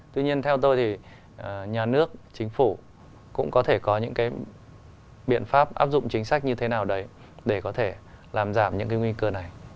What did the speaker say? tuy nhiên theo tôi thì nhà nước chính phủ cũng có thể có những cái biện pháp áp dụng chính sách như thế nào đấy để có thể làm giảm những cái nguy cơ này